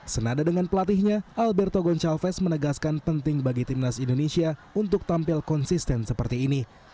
senada dengan pelatihnya alberto goncalves menegaskan penting bagi timnas indonesia untuk tampil konsisten seperti ini